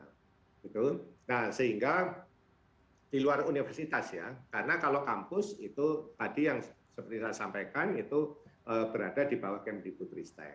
nah sehingga di luar universitas ya karena kalau kampus itu tadi yang seperti saya sampaikan itu berada di bawah kemdik putristek